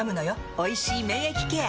「おいしい免疫ケア」！